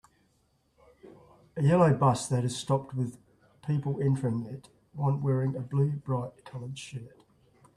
A yellow bus that is stopped with people entering it one wearing a blue bright colored shirt.